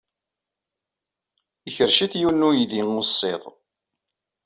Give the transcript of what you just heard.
Ikerrec-it yiwen n uydi ussiḍ.